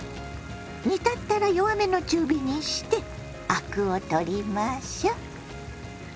煮立ったら弱めの中火にしてアクを取りましょ。